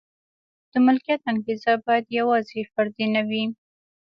د ملکیت انګېزه باید یوازې فردي نه وي.